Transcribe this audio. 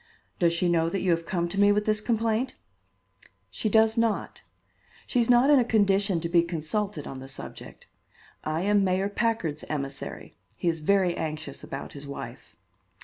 Does she know that you have come to me with this complaint?" "She does not. She is not in a condition to be consulted on the subject. I am Mayor Packard's emissary. He is very anxious about his wife."